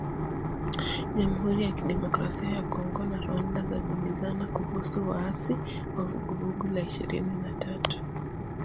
Jamuhuri ya Kidemokrasia ya Kongo na Rwanda zajibizana kuhusu waasi wa Vuguvugu la Ishirini na tatu